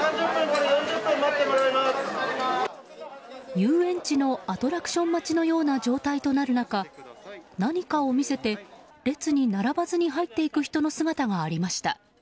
遊園地のアトラクション待ちのような状態となる中何かを見せて列に並ばずに入っていく人の姿がありました。